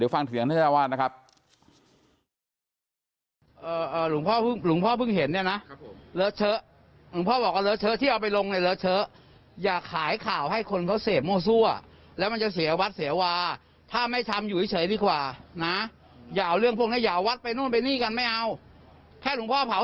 มันเยอะขึ้นมันจึงเครียดขึ้น